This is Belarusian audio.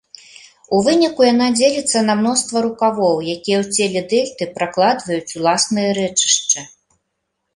У выніку яна дзеліцца на мноства рукавоў, якія ў целе дэльты пракладваюць уласныя рэчышчы.